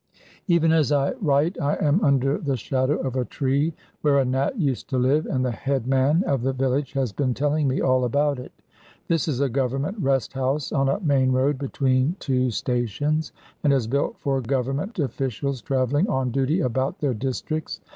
Even as I write I am under the shadow of a tree where a Nat used to live, and the headman of the village has been telling me all about it. This is a Government rest house on a main road between two stations, and is built for Government officials travelling on duty about their districts.